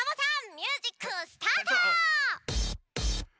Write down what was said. ミュージックスタート！